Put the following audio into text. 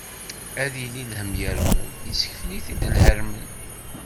Ad yili lhemm yermel, yessekfel-it-id lhermel.